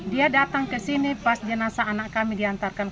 dia datang ke sini pas jenasa anak kami diantarkan